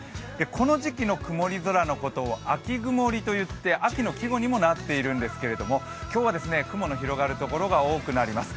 この時期の曇り空のことを秋曇りといって秋の季語にもなっているんですけれども今日は雲の広がるところが多くなります。